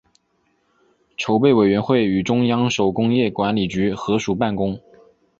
筹备委员会与中央手工业管理局合署办公。